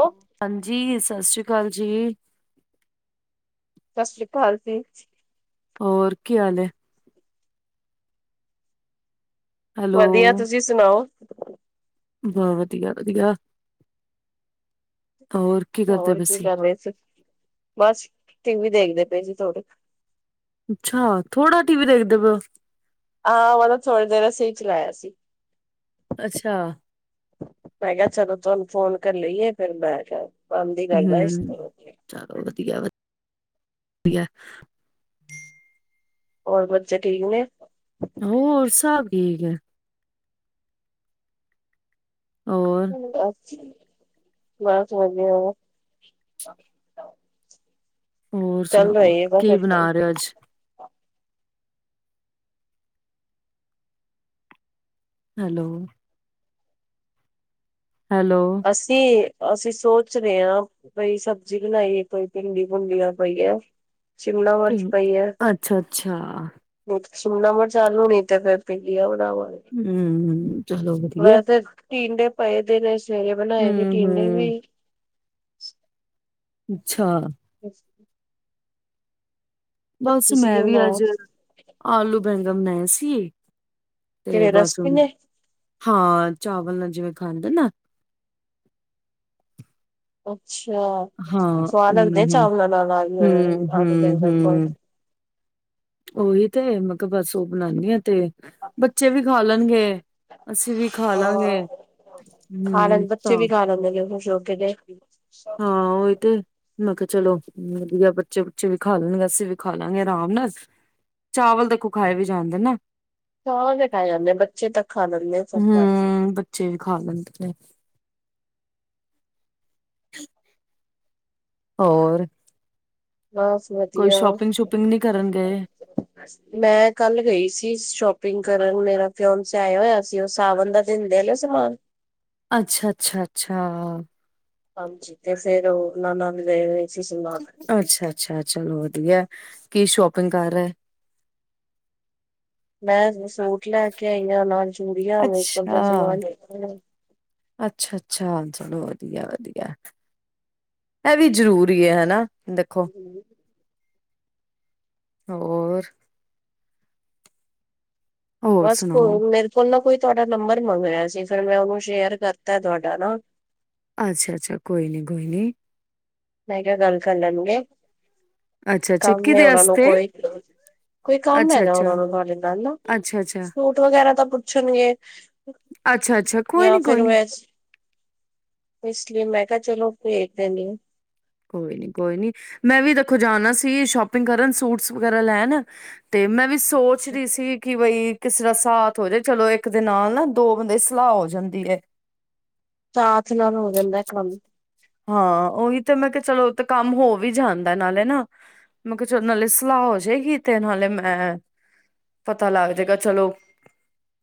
ਓ ਹਾਂਜੀ ਸਸ਼੍ਰੀ ਕਾਲ ਜੀ। ਸਸ੍ਰੀ ਕਾਲ ਜੀ। ਹੋਰ ਕੀ ਹਾਲ ਏ? ਹੈਲੋ ਵਧੀਆਂ ਤੁਸੀਂ ਸੁਣਾਓ? ਮੈਂ ਵਧੀਆਂ ਵਧੀਆਂ ਹੋਰ ਹੋਰ ਕੀ ਕਰ ਰਹੇ ਸੀ, ਬਸ ਟੀ ਵੀ ਦੇਖਦੇ ਪਏ ਸੀ ਥੋੜੀ ਅੱਛਾ ਥੋੜ੍ਹਾ ਟੀ ਵੀ ਦੇਖਦੇ ਪਏ ਓ ਆਹ ਮਤਲਬ ਥੋੜ੍ਹੀ ਦੇਰ ਅਸੀਂ ਚਲਾਇਆ ਸੀ। ਅੱਛਾ ਮੈਂ ਕਿਹਾ ਚਲੋ ਤੁਹਾਨੂੰ ਫੋਨ ਕਰ ਲਈਏ ਫਿਰ ਮੈ ਕਿਹਾ ਬਣਦੀ ਗੱਲ ਆ ਇਸ ਹਮ ਤਰ੍ਹਾਂ ਚਲੋ ਵਧੀਆ ਵਧ ਆ ਹੋਰ ਬੱਚੇ ਠੀਕ ਨੇ? ਹੋਰ ਸਭ ਠੀਕ ਐ। ਹੋਰ ਬੱਸ ਵਧੀਆ। ਹੋਰ ਚੱਲ ਸੁਣਾਓ ਰਹੀ ਹੈ ਬਸ ਕੀ ਏਦਾਂ ਹੀ ਬਣਾ ਰਹੇ ਓ ਅੱਜ? ਹੈਲੋ। ਹੈਲੋ। ਅਸੀਂ, ਅਸੀਂ ਸੋਚ ਰਹੇ ਆ। ਬਈ ਸਬਜ਼ੀ ਕੀ ਬਣਾਈਏ ਕੋਈ ਭਿੰਡੀ- ਭੁੰਡੀਆਂ ਪਈਆ। ਸ਼ਿਮਲਾ ਮਿਰਚ ਪਈ ਐ। ਅੱਛਾ ਅੱਛਾ ਨਹੀਂ ਸ਼ਿਮਲਾ ਮਿਰਚ ਆਲੂ ਨੀ ਤਾਂ ਭਿੰਡੀਆਂ ਬਣਾਵਾਗੇ। ਹਮ ਚਲੋ ਵਧੀਆ। ਟਿੰਡੇ ਪਏ ਦਿਨੇ ਸਵੇਰੇ ਬਣਾਏ ਸੀ ਹਮ ਟਿੰਡੇ ਵੀ ਹਮ ਅੱਛਾ। [inaudible] ਬਸ ਤੁਸੀਂ ਕੀ ਮੈਂ ਵੀ ਬਣਾਇਆ ਅੱਜ, ਆਲੂ ਬੈਂਗਣ ਬਣਾਏ ਸੀ। ਤੇ ਕਿਹੜੇ ਰਸ ਬਸ ਹੁਣ, ਭਿੰਨੇ ਹਾਂ ਚਾਵਲ ਨਾਲ ਜਿਵੇਂ ਖਾਂਦੇ ਨਾ ਅੱਛਾ, ਹਾਂ, ਸੁਆਦ ਲੱਗਦੇ ਉਹਨਾਂ ਨੇ ਹੁਣ ਚਾਵਲਾਂ ਨਾਲ ਆਲੂ ਐ ਹੂੰ, ਆਲੂ ਹੂੰ, ਬੈਗਣ ਬ ਓਹੀ ਤੇ, ਮੈਂ ਕਿਹਾ ਬਸ ਉਹ ਬਣਾਂਨੀ ਆ ਤੇ, ਬੱਚੇ ਵੀ ਖਾ ਲੈਣਗੇ ਅਸੀਂ ਵੀ ਖਾ ਹਾਂ। ਲਾਂਗੇ, ਖਾ ਹਮ, ਲੈਂਦੇ ਬੱਚੇ ਤਾਂ ਵੀ ਖਾ ਲੈਂਦੇ ਨੇ ਖੁਸ਼ ਹੋਕੇ ਗਏ। ਹਾਂ ਉਹੀ ਤੇ ਮੈਂ ਕਿਆ, ਚਲੋ ਵਧੀਆ ਬੱਚੇ-ਬੁਚੇ ਵੀ ਖਾ ਲੈਣਗੇ, ਅਸੀਂ ਵੀ ਖਾ ਲਾਂਗੇ ਆਰਾਮ ਨਾਲ। ਚਾਵਲ ਦੇਖੋ ਖਾਏ ਵੀ ਜਾਂਦੇ ਨਾ। ਚਾਵਲ ਤੇ ਖਾ ਜਾਂਦੇ, ਬੱਚੇ ਤਾਂ ਖਾ ਜਾਂਦੇ [unintelligible] ਹੂੰ, ਬੱਚੇ ਵੀ ਖਾ ਲੈਂਦੇ ਨੇ। [inaudible] ਹੋਰ। ਬਸ ਕੋਈ ਵਧੀਆ। ਸ਼ੋਪਿੰਗ-ਸ਼ੂਪਿੰਗ ਨੀ ਕਰਨ ਗਏ? ਮੈਂ ਕੱਲ ਗਈ ਸੀ, ਸ਼ੋਪਿੰਗ ਕਰਨ, ਮੇਰਾ ਫਿਓਨਸੇ ਆਇਆ ਹੋਇਆ ਸੀ। ਉਹ ਸਾਵਣ ਦਾ ਦਿੰਦੇ ਆ ਨ ਸਮਾਨ। ਅੱਛਾ-ਅੱਛਾ-ਅੱਛਾ। ਹਾਂਜੀ, ਤੇ ਫੇਰ ਉਹਨਾਂ ਨਾਲ ਗਏ। ਸੀ ਸਮਾਨ। ਅੱਛਾ-ਅੱਛਾ, ਚਲੋ ਵਧੀਆ ਐ, ਕੀ ਸ਼ੋਪਿੰਗ ਕਰ ਰਏ। ਮੈਂ ਸੂਟ ਲੈ ਕੇ ਆਈ ਆ, ਨਾਲ ਚੂੜੀਆਂ, ਮੇਕਅਪ ਦਾ ਅੱਛਾ, ਸਮਾਨ। ਅੱਛਾ-ਅੱਛਾ, ਚਲੋ ਵਧੀਆ-ਵਧੀਆ, ਐ ਵੀ ਜ਼ਰੂਰੀ ਐ ਹੈਨਾ। ਦੇਖੋ। ਹੋ। ਹੋਰ ਬਸ, ਸੁਣਾਓ? ਮੇਰੇ ਕੋਲ ਨਾ ਕੋਈ ਤੁਹਾਡਾ ਨੰਬਰ ਮੰਗ ਰਿਆ ਸੀ, ਫੇਰ ਮੈਂ ਉਹਨੂੰ ਸ਼ੇਅਰ ਕਰਤਾ ਤੁਹਾਡਾ ਨਾ ਅੱਛਾ-ਅੱਛਾ ਕੋਈ ਨੀਂ, ਕੋਈ ਨੀਂ। ਮੈਂ ਕਿਆ ਗੱਲ ਕਰ ਲੈਣਗੇ, ਅੱਛਾ-ਅੱਛਾ ਕੰਮ ਨੇ ਕਿਦੇ ਉਨਾ ਨੂੰ ਆਸਤੇ ਕੋਈ ਕੋਈ ਕੰਮ ਹੈਗਾ ਉਨਾ ਅੱਛਾ-ਅੱਛਾ। ਨੂੰ ਤੁਹਾਡੇ ਨਾਲ ਨਾ, ਅੱਛਾ-ਅੱਛਾ, ਸੂਟ ਵਗੈਰਾ ਦਾ ਪੁੱਛਣਗੇ। ਅੱਛਾ-ਅੱਛਾ, ਕੋਈ ਜਾਂ ਨੀ, ਕੋਈ ਫਿਰ ਨੀ। ਵੈ ਇਸ ਲਈ, ਮੈਂ ਕਿਹਾ ਚਲੋ ਪੇਜ ਦਿਨੀ ਆ। ਕੋਈ ਨੀ, ਕੋਈ ਨੀ, ਮੈਂ ਵੀ ਦੇਖੋ ਜਾਣਾ ਸੀ ਸ਼ੋਪਿੰਗ ਕਰਨ ਸੂਟਸ ਵਗੈਰਾ ਲੈਣ। ਤੇ ਮੈਂ ਵੀ ਸੋਚ ਰੀ ਸੀ ਕਿ ਬਈ। ਕਿਸੇ ਦਾ ਸਾਥ ਹੋ ਜਾਏ ਚਲੋ ਇੱਕ ਦੇ ਨਾਲ ਨਾ, ਦੋ ਬੰਦੇ ਸਲਾਹ ਹੋ ਜਾਂਦੀ ਏ। ਸਾਥ ਨਾਲ ਹੋ ਜਾਂਦਾ ਐ ਕੰਮ ਹਾਂ ਉਹੀ ਤੇ ਮੈਂ ਕਿਹਾ ਚਲੋ ਇੱਕ ਕੰਮ ਹੋ ਵੀ ਜਾਂਦਾ ਨਾਲੇ ਨਾ। ਮੈਂ ਕਿਹਾ ਚ ਨਾਲੇ ਸਲਾਹ ਹੋ ਜਾਏਗੀ ਤੇ ਨਾਲੇ ਮੈਂ। [unintelligible] ਪਤਾ ਲੱਗ ਜੇਗਾ ਚਲੋ।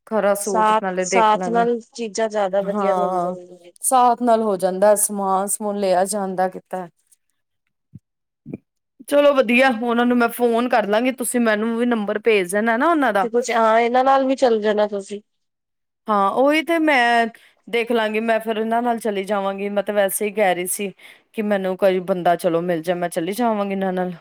ਖਰਾ ਸੂਟ ਸਾਥ ਨਾਲੇ ਦੇਖ ਸਾਥ ਲਾਂਗੇ ਨਾਲ ਚੀਜ਼ਾਂ ਜ਼ਿਆਦਾ [inaudible] ਵਧੀਆ ਮਿਲ ਹਾਂ ਜਾਂਦੀਆਂ ਨੇ। ਸਾ ਨਾਲ ਹੋ ਜਾਂਦਾ, ਸਮਾਨ -ਸਮੂਨ ਲਿਆ ਜਾਂਦਾ ਕੀਤੇ। [inaudible] ਚਲੋ ਵਧੀਆ, ਉਨਾ ਨੂੰ ਮੈਂ ਫੋਨ ਕਰ ਲਾਂਗੀ ਤੁਸੀਂ ਮੈਨੂੰ ਵੀ ਨੰਬਰ। ਭੇਜ ਦੇਣਾ ਨਾ ਉਹਨਾਂ ਦਾ ਤੇ ਕੁਛ ਆ ਇਹਨਾਂ ਨਾਲ ਵੀ ਚੱਲ ਜਾਣਾ ਤੁਸੀਂ। ਹਾਂ ਉਹੀ ਤੇ ਮੈਂ। ਦੇਖ ਲਾਂਗੀ, ਮੈਂ ਫਿਰ ਇਨਾ ਨਾਲ ਚਲੀ ਜਾਵਾਂਗੀ ਮੈਂ ਤਾ ਵੈਸੇ ਈ ਕੈ ਰੀ ਸੀ। ਕਿ ਮੈਨੂੰ ਕੋਈ ਬੰਦਾ ਚਲੋ ਮਿਲ ਜਾਏ ਮੈਂ ਚਲੀ ਜਾਵਾਂਗੀ ਇਹਨਾਂ ਨਾਲ।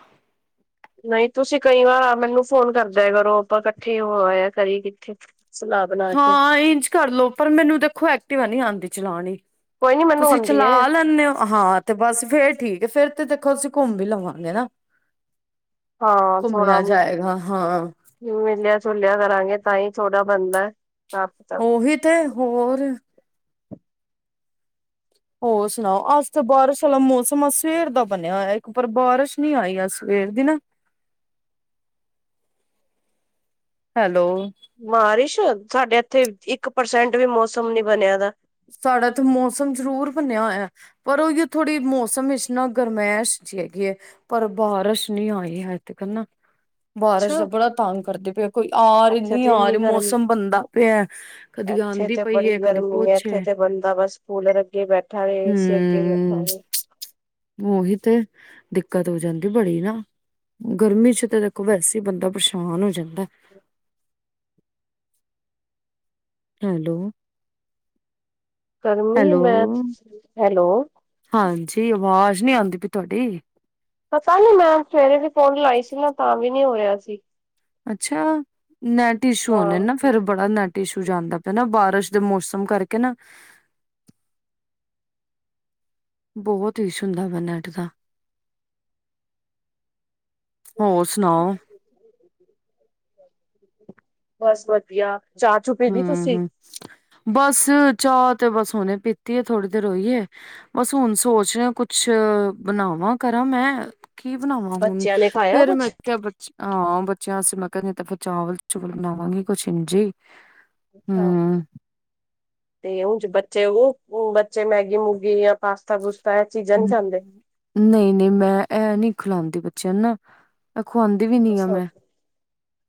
ਨਹੀਂ ਤੁਸੀਂ ਕਈ ਵਾਰ, ਮੈਨੂੰ ਫ਼ੋਨ ਕਰਦਿਆ ਕਰੋ। ਆਪਾਂ ਇਕੱਠੇ ਹੋ ਆਇਆ ਕਰੀਏ ਕਿੱਥੇ। ਸਲਾਹ ਬਣਾ ਕੇ ਹਾਂ, ਇੰਝ ਕਰ ਲੋ। ਪਰ ਮੈਨੂੰ ਦੇਖੋ, ਐਕਟਿਵਾ ਨੀ ਆਂਦੀ ਚਲਾਣੀ। ਕੋਈ ਨੀ ਮੈਨੂੰ ਤੁਸੀਂ ਆਉਂਦੀ ਹੈ ਚਲਾ ਲੈਂਨੇ ਓ? ਹਾਂ ਤੇ ਬਸ ਫੇਰ ਠੀਕ ਏ। ਫੇਰ ਤੇ ਦੇਖੋ ਅਸੀਂ ਘੁੰਮ ਵੀ ਲਵਾਂਗੇ ਨਾ। ਘੁੰਮਿਆ ਜਾਏਗਾ, ਹਾਂ। ਮਿਲਿਆ-ਜੁਲਿਆ ਕਰਾਂਗੇ ਤਾਂ ਈ ਥੋੜਾ ਬਣਨਾ। ਆਪ ਉਹੀ ਤੇ ਹੋਰ ਹੋਰ ਸੁਣਾਓ? ਅੱਜ ਤਾਂ ਬਾਰਿਸ਼ ਵਾਲਾ ਮੌਸਮ, ਆ ਸਵੇਰ ਦਾ ਬਣਿਆ ਹੋਇਆ। ਇੱਕ, ਪਰ ਬਾਰਿਸ਼ ਨੀ ਆਈ ਆ ਸਵੇਰ ਦੀ ਨਾ। [inaudible] ਹੈਲੋ। ਬਾਰਿਸ਼, ਸਾਡੇ ਇੱਥੇ ਇੱਕ ਪਰਸੈਂਟ ਵੀ ਮੌਸਮ ਨੀ ਬਣਿਆ ਹੈਗਾ। ਸਾਡੇ ਇੱਥੇ ਮੌਸਮ ਜ਼ਰੂਰ ਬਣਿਆ ਹੋਇਆ। ਪਰ ਉਹ ਜੋ ਥੋੜ੍ਹੀ ਮੌਸਮ ਇੱਚ ਨਾ, ਗਰਮਾਇਸ਼ ਜੀ ਹੈਗੀ ਐ। ਪਰ ਬਾਰਸ਼ ਨੀ ਆਈ ਹਜੇ ਤੀਕਰ ਨਾ। ਬਾਰਸ਼ ਦਾ ਅੱਛਾ ਬੜਾ ਤੰਗ ਕਰਦੀ ਪਈ ਐ। ਕੋਈ ਆ ਰਹੀ, ਇੱਥੇ ਨਹੀਂ ਤੇ ਆ ਇੰਨੀ ਰਹੀ, ਗਰਮੀ ਮੌਸਮ ਬਣਦਾ ਪਿਆ। ਕਦੀ ਇੱਥੇ ਆਂਦੀ ਤੇ ਪਈ ਬੜੀ ਹੈ ਕਦੀ ਗਰਮੀ ਐ। ਕੁਛ ਹੈ ਇੱਥੇ ਤੇ ਬੰਦਾ ਬਸ ਕੂਲਰ ਅੱਗੇ ਬੈਠਾ ਹੋਵੇ। ਏ ਸੀ ਅੱਗੇ ਬੈਠਾ ਹੂੰ ਹੋਵੇ। ਉਹੀ ਤੇ, ਦਿੱਕਤ ਹੋ ਜਾਂਦੀ ਬੜੀ ਨਾ। ਗਰਮੀ 'ਚ ਤਾਂ ਵੇਖੋ, ਵੈਸੇ ਈ ਬੰਦਾ ਪ੍ਰੇਸ਼ਾਨ ਹੋ ਜਾਂਦਾ। ਹੈਲੋ। ਕਰਨੀ ਆ ਹੈਲੋ ਮੈਚ, ਹੈਲੋ। ਹਾਂਜੀ, ਆਵਾਜ਼ ਨੀ ਆਂਦੀ ਪਈ ਤੁਵਾਡੀ। ਪਤਾ ਨੀ ਮੈਮ, ਸਵੇਰੇ ਵੀ ਕੋਲ਼ ਲਾਈ ਸੀ ਮੈਂ। ਤਾਵੀ ਨੀ ਹੋ ਰਿਹਾ ਸੀ। ਅੱਛਾ‌। ਨੈਟ ਇਸ਼ੂ ਹੋਣੇ ਨਾ ਹਾਂ ਫਿਰ ਬੜਾ ਨੈਟ ਇਸ਼ੂ ਜਾਂਦਾ ਪਿਆ ਨਾ। ਬਾਰਿਸ਼ ਦੇ ਮੌਸਮ ਕਰਕੇ ਨਾ। ਬਹੁਤ ਇਸ਼ੂ ਹੁੰਦਾ ਵਾ ਨੈੱਟ ਦਾ। ਹੋਰ ਸੁਣਾਓ? ਬਸ ਵਧੀਆ। ਚਾਹ ਚੂ ਪੀ ਲਈ ਤੁਸੀਂ ਹੂੰ-ਹੂੰ, ਬਸ ਚਾਹ ਤੇ ਬਸ ਹੁਣੇ ਪੀਤੀ ਐ, ਥੋੜ੍ਹੀ ਦੇਰ ਹੋਈ ਏ। ਬਸ ਹੁਣ ਸੋਚ ਰਹੇ ਕੁਛ, ਬਣਾਵਾਂ ਕਰਾਂ ਮੈਂ। ਕੀ ਬਣਾਵਾਂ ਹੁਣ। ਬੱਚਿਆਂ ਨੇ ਖਾਇਆ ਫੇਰ ਕੁਛ ਮੈਂ ਕਿਹਾ ਬੱਚੇ ਹਾਂ, ਬੱਚਿਆਂ ਵਾਸਤੇ ਮੈਂ ਕਿਹਾ ਨਹੀਂ ਤਾਂ ਫਿਰ ਚਾਵਲ-ਚੂਵਲ ਬਣਾਵਾਂਗੀ। ਕੁਛ ਇੰਜ ਈ ਅੱਛਾਂ। ਤੇ ਹੁਣ ਜੋ ਬੱਚੇ ਉਹ। ਹੁਣ ਬੱਚੇ ਮੈਗੀ-ਮੂਗੀ ਜਾਂ ਪਾਸਤਾ- ਪੂਸਤਾ ਇਹ ਚੀਜ਼ਾਂ ਨੀ ਖਾਂਦੇ। ਨਹੀਂ-ਨਹੀਂ ਮੈਂ ਇਹ ਨੀ ਖਿਲਾਂਦੀ ਬੱਚਿਆਂ ਨਾ। ਖੁਵਾਂਦੀ ਵੀ ਨੀ ਆ ਅੱਛਾ, ਮੈਂ।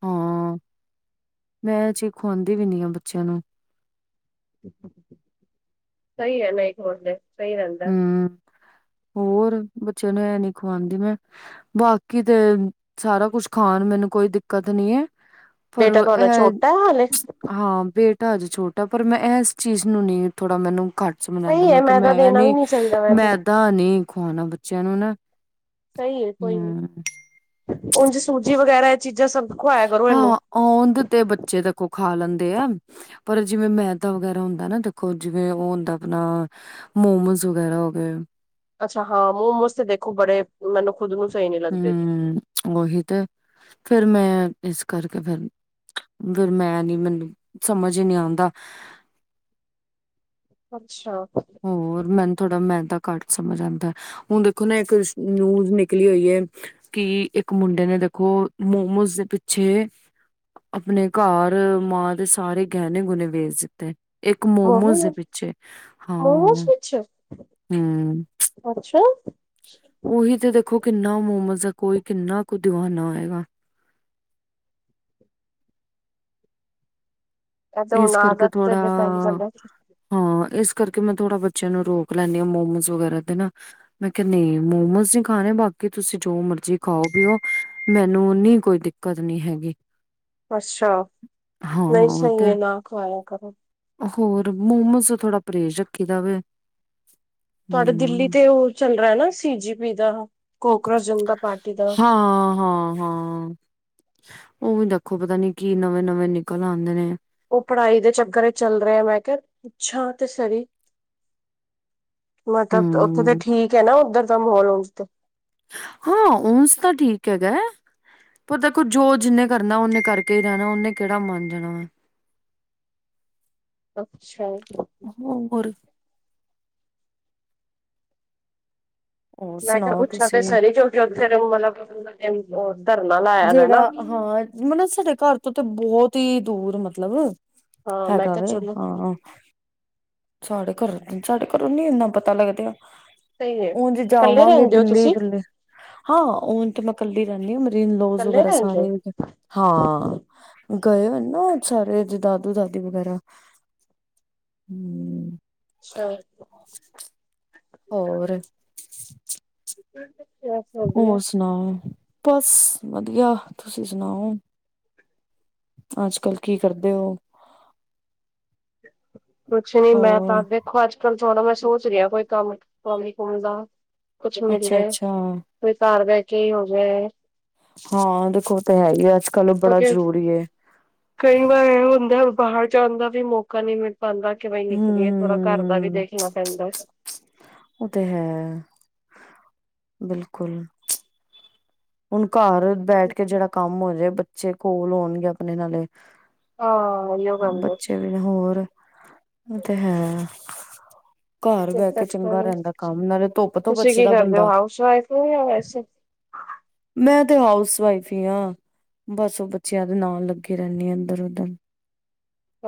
ਹਾਂ, ਮੈ ਇਹ ਚੀਜ਼ ਖਵਾਂਦੀ ਵੀ ਨੀ ਆ ਬੱਚਿਆਂ ਨੂੰ। ਸਹੀ ਰਹਿੰਦਾ ਇਸ ਵਾਸਤੇ ਸਹੀ ਰਹਿੰਦਾ। ਹੂੰ ਹੋਰ ਬੱਚਿਆਂ ਨੂੰ ਐ ਨੀ ਖਵਾਉਂਦੀ ਮੈਂ। ਬਾਕੀ ਤੇ ਸਾਰਾ ਕੁਛ ਖਾਣ, ਮੈਨੂੰ ਕੋਈ ਦਿੱਕਤ ਨੀ ਐਂ। ਪਰ ਬੇਟਾ ਵੋ ਐ ਤੁਹਾਡਾ ਛੋਟਾ ਹੈ ਹਾਲੇ ਹਾਂ, ਬੇਟਾ ਅਜੇ ਛੋਟਾ। ਪਰ ਮੈਂ ਇਸ ਚੀਜ਼ ਨੂੰ ਨਹੀਂ ਥੋੜ੍ਹਾ ਮੈਨੂੰ ਘੱ ਸਮਝ ਆਂਦਾ। ਸਹੀ ਹੈ ਮੈਂ ਕਿਹਾ ਮੈਦਾ ਮੈਂ ਦੇਣਾ ਵੀ ਨੀ ਚਾਹੀਦਾ ਵੈਸੇ ਮੈਦਾ ਨੀ ਖਵਾਣਾ ਬੱਚਿਆਂ ਨੂੰ ਨਾ। ਸਹੀ ਏ, ਸਹੀ ਏ। ਹੂੰ ਉਂਝ ਸੂਜ਼ੀ ਵਗੈਰਾ ਇਹ ਚੀਜ਼ਾਂ ਸਭ ਖਵਾਇਆ ਕਰੋ ਇਹਨੂੰ ਹਾਂ, ਔਂਦੇ ਤੇ ਬੱਚੇ ਤ ਕੋ ਖਾ ਲੈਂਦੇ ਆ। ਪਰ ਜਿਵੇਂ ਮੈਦਾ ਵਗੈਰਾ ਹੁੰਦਾ ਨਾ। ਦੇਖੋ ਜਿਵੇਂ, ਉਹ ਹੁੰਦਾ ਆਪਣਾ ਮੋਮੋਸ ਵਗੈਰਾ ਹੋ ਗਏ। ਅੱਛਾ ਹਾਂ ਮੋਮਜ ਤੇ ਦੇਖੋ ਬੜੇ ਮੈਨੂੰ ਖੁਦ ਨੂੰ ਚਾਹੀਦਾ ਹੂੰ ਉਹੀ ਤੇ ਫੇਰ ਮੈਂ ਇਸ ਕਰਕੇ ਫੇਰ ਫੇਰ ਮੈਂ ਨੀ ਮੈਨੀ ਸਮਝ ਹੀ ਨੀ ਆਉਂਦਾ। ਅੱਛਾ। ਹੋਰ ਮੈਨੂੰ ਥੋੜਾ ਮੈਂਦਾ ਘੱਟ ਸਮਝ ਆਉਂਦਾ। ਹੁਣ ਦੇਖੋ ਨਾ ਇੱਕ ਨੂਜ਼ ਨਿਕਲੀ ਹੋਈ ਏ। ਕਿ ਇੱਕ ਮੁੰਡੇ ਨੇ ਦੇਖੋ ਮੋਮੋਸ ਦੇ ਪਿੱਛੇ ਆਪਣੇ ਘਰ ਮਾਂ ਦੇ ਸਾਰੇ ਗਹਿਣੇ- ਗਹੁਣੇ ਵੇਚ ਦਿੱਤੇ। ਇੱਕ ਮੋਮੋਸ ਦੇ ਪਿੱਛੇ। ਹਾਂ ਮੋਮੋਜ ਪਿੱਛੇ? ਹੂੰ। ਅੱਛਾ। ਉਹੀ ਤੇ ਦੇਖੋ ਕਿੰਨਾ ਮੋਮੋਜ਼ ਏ ਕੋਈ ਕਿੰਨਾ ਕੁ ਦੀਵਾਨਾ ਹੈਗਾ। ਇਹ ਤੇ ਇਸ ਹੁਣ ਕਰਕੇ ਆਦਤ ਤੇ ਥੋੜਾ ਡਿਪੈਂਡ ਕਰਦਾ ਹਾਂ ਇਸ ਕਰਕੇ ਮੈਂ ਥੋੜਾ ਬੱਚਿਆਂ ਨੂੰ ਰੋਕ ਲੈਂਦੀ ਹਾਂ ਮੋਮੋਸ ਵਗੈਰਾ ਤੇ ਨਾ। ਮੈਂ ਕਿਹਾ ਨਹੀਂ ਮੋਮੋਸ ਨਹੀਂ ਖਾਣੇ ਬਾਕੀ ਤੁਸੀਂ ਜੋ ਮਰਜੀ ਖਾਓ- ਪੀਓ ਮੈਨੂੰ ਨੀ ਕੋਈ ਦਿ ਕੱਤ ਨੀ ਹੈਗੀ। ਅੱਛਾ ਹਾਂ ਨਹੀਂ ਉਹ ਸਹੀ ਤੇ ਹੈ ਨਾ ਖਵਾਇਆ ਕਰੋ। ਹੋਰ ਮੋਮੋਸ ਤੋਂ ਥੋੜਾ ਪਰਹੇਜ਼ ਰੱਖੀ ਦਾਵੇ। ਤੁਹਾਡੇ ਦਿੱਲੀ ਤੇ ਉਹ ਚੱਲ ਰਿਹਾ ਨਾ ਸੀ ਜੀ ਪੀ ਦਾ ਕੋਕਰੋਚ ਜਨਤਾ ਪਾਰਟੀ ਦਾ ਹਾਂ, ਹਾਂ- ਹਾਂ। ਉਹ ਵੀ ਦੇਖੋ ਪਤਾ ਨੀ ਕੀ ਨਵੇਂ- ਨਵੇਂ ਨਿਕਲ ਆਉਂਦੇ ਨੇ। ਉਹ ਪੜਾਈ ਦੇ ਚੱਕਰ ਇਚ ਚੱਲ ਰਿਹਾ ਮੈਂ ਕਿਹਾ, ਪੁੱਛਾ ਤੇ ਸਹੀ। ਮਤਲਬ ਉੱਥੇ ਤਾਂ ਹਮ ਠੀਕ ਹੈ ਨਾ ਉੱਧਰ ਦਾ ਮਾਹੌਲ ਹਜੇ ਤੇ। ਹਾਂ ਉਂਜ ਤਾਂ ਠੀਕ ਹੈਗਾ। ਪਰ ਦੇਖੋ ਜੋ ਜਿੰਨੇ ਕਰਨਾ ਓਨੇ ਕਰਕੇ ਹੀ ਰਹਿਣਾ ਉਹਨੇ ਕਿਹੜਾ ਮੰਨ ਜਾਣਾ ਏ। ਅੱਛਾ ਜੀ। ਹੋ ਹੋਰ? ਹੋਰ ਮੈਂ ਕਿਹਾ ਸੁਣਾਓ ਪੁੱਛਾਂ ਤੇ ਤੁਸੀਂ ਸਹੀ ਜੋਅ ਜਕ ਮਤਲਬ ਧਰਨਾ ਲਾਇਆ ਵਾ ਜਿਹੜਾ ਨਾ ਹਾਂ ਮਤਲਬ ਸਾਡੇ ਘਰ ਤੋਂ ਤੇ ਬੋਤ ਹੀ ਦੂਰ ਮਤਲਬ, ਹਾਂ ਮੈਂ ਹੈਗਾ ਕਿਹਾ ਵੇ ਚਲੋ ਸਹੀ ਹਾਂ। ਸਾਡੇ ਘਰੋ ਦੀ ਸਾਡੇ ਘਰੋਂ ਨੀ ਇੰਨਾ ਪਤਾ ਲੱਗਦਾ। ਹੈ ਉਜ ਕੱਲੇ ਜਾਵਾਂਗੇ ਰਹਿੰਦੇ ਹੋ ਦਿੱਲੀ, ਤੁਸੀਂ ਕਹਿੰਦੇ। ਹਾਂ ਉਂਜ ਤਾਂ ਮੈਂ ਕੱਲੀ ਰਹਿੰਦੀ ਆਂ ਮਰੇ ਇਨ ਲੋਜ ਕੱਲੇ ਵਗੈਰਾ ਰਹਿੰਦੇ ਹੋ ਸਾਰੇ ਓਧਰ। ਹਾਂ ਗਏ ਹੋਏ ਨੇ ਨਾ ਸਾਰੇ ਜਿਦਾ ਦਾਦੂ- ਦਾਦੀ ਵਗੈਰਾ। ਹੂੰ। ਸਹੀ ਹੈਗੀ ਏ। [inaudible] ਹੋਰ? ਓਂਝ ਬਸ ਵਧੀਆ। ਨਾ ਬਸ ਵਧੀਆ ਤੁਸੀਂ ਸੁਣਾਓ? ਅੱਜ ਕੱਲ ਕੀ ਕਰਦੇ ਹੋ? ਕੁਛ ਨੀ ਮੈਂ ਤਾਂ ਹੋਰ ਦੇਖੋ ਅੱਜ-ਕਲ ਹੁਣ ਮੈਂ ਸੋਚ ਰਿਹਾ ਕੋਈ ਕਮ, ਕੰਮ-ਕੁੰਮ ਦਾ ਕੁਛ ਅੱਛਾ ਮਿਲਜਾਏ। ਅੱਛਾ ਕੋਈ ਘਰ ਬਹਿ ਕੇ ਹੀ ਹੋਜੇ। ਹਾਂ ਦੇਖੋ, ਓ ਤਾਂ ਹੈ ਹੀ ਐ, ਅੱਜ- ਕੱਲ ਬੜਾ ਕਿਉਂਕਿ ਜ਼ਰੂਰੀ ਏ ਕਈ ਵਾਰ ਐਹ ਹੁੰਦਾ, ਬਾਹਰ ਜਾਣ ਦਾ ਵੀ ਮੌਕਾ ਨਹੀਂ ਮਿਲ ਪਾਂਦਾ ਕਿ ਬਈ ਨਿਕਲੀਏ ਪੂਰਾ ਘਰ ਦਾ ਵੀ ਹੂੰ, ਦੇਖਣਾ ਪੈਂਦਾ ਓ ਤੇ ਹੈ। ਬਿਲਕੁਲ ਹੁਣ ਘਰ ਬੈਠ ਕੇ ਜੇੜਾ ਕੰਮ ਹੋਜੇ, ਬੱਚੇ ਕੋਲ ਹੋਣਗੇ ਆਪਣੇ ਨਾਲੇ ਹਾਂ ਇਹੀਓ ਗੱਲ ਐ ਨੀ ਹੋਰ, ਉਹ ਤੇ ਹੈ। ਘਰ ਏ ਬਹਿ ਕੇ ਚੰਗਾ ਰੈਂਦਾ ਕੰਮ, ਨਾਲੇ ਧੁੱਪ ਤੋਂ ਬਚਦਾ ਬੰਦਾ ਉਹੀਓ ਵੈਸੇ ਮੈਂ ਤੇ ਹਾਊਸ ਵਾਈਫ ਹੀ ਆਂ ਬਸ ਉਹ ਬੱਚਿਆਂ ਦੇ ਨਾਲ ਲੱਗੇ ਰੈਂਦੇ ਆ ਇੱਧਰ ਉਧਰ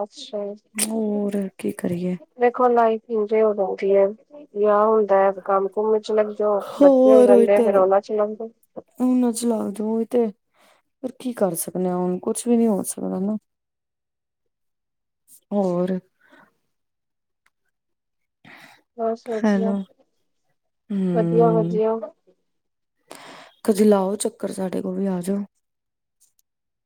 ਅੱਛਾ ਹੋਰ ਕੀ ਕਰੀਏ। ਦੇਖੋ ਲਾਈਫ ਇਜੀ ਹੋ ਜਾਂਦੀ ਐ। ਵਿਆਹ ਹੁੰਦਾ ਐ ਕੰਮ ਕੁੰਮ 'ਚ ਲੱਗ ਜਾਓ, ਬੱਚੇ ਹੋ ਹੋਰ ਉਹੀ ਜਾਂਦੇ ਤੇ ਫਿਰ ਉਹਨਾਂ 'ਚ ਲੱਗ ਜਾਓ। ਉਹਨਾਂ 'ਚ ਲੱਗ ਜਾਓ, ਉਹੀ ਤੇ ਫੇਰ ਕੀ ਕਰ ਸਕਦੇ ਆਂ, ਹੁਣ ਕੁਛ ਵੀ ਨੀ ਹੋ ਸਕਦਾ ਨਾ ਸ ਹੋਰ ਬਸ ਵਧੀਆ ਹੈਲੋ, ਵਧੀਆ ਹਮਮ ਵਧੀਆ ਕਦੇ ਲਾਓ ਚੱਕਰ, ਸਾਡੇ ਕੋਲ ਵੀ ਆ ਜਓ।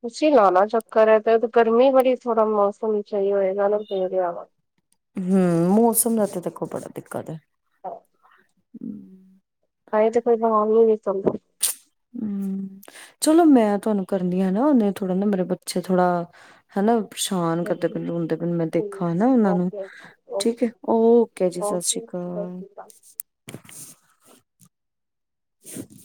ਤੁਸੀਂ ਲਾਣਾ ਚੱਕਰ, ਐ ਤੇ ਗਰਮੀ ਬੜੀ, ਥੋੜਾ ਮੌਸਮ ਸਹੀ ਹੋਏਗਾ ਨਾ ਫੇਰ ਆਵਾ ਹਮ, ਮੌਸਮ ਦਾ ਤੇ ਦੇਖੋ ਬੜਾ ਦਿੱਕਤ ਐ ਹਹ ਆਏ ਤੇ ਕੋਈ ਭਾਵੀ ਨਹੀ ਸਮਝਦੀ ਹਮ, ਚਲੋ ਮੈਂ ਤੁਹਾਨੂੰ ਕਰਨਦੀ ਆਂ ਨਾ, ਹੁਨੇ ਥੋੜਾ ਨਾ ਮੇਰੇ ਬੱਚੇ ਥੋੜਾ ਹਨਾ, ਪਰੇਸ਼ਾਨ ਕਰਦੇ ਪਏ, ਰੋਂਦੇ ਪਏ, ਮੈਂ ਦੇਖਾ ਹਨਾ ਉਹਨਾਂ ਨੂੰ ਓਕੇ ਠੀਕ ਐ, ਓਕੇ ਓਕੇ ਜੀ ਸਸ਼੍ਰੀ ਓਕੇ ਸਤਿ ਅਕਾਲ ਸ਼੍ਰੀ [inaudible]